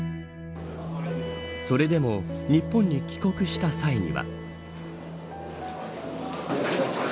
それでも日本に帰国した際には。